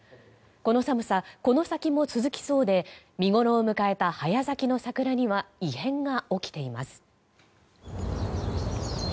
この寒さ、この先も続きそうで見ごろを迎えた早咲きの桜には異変が起きています。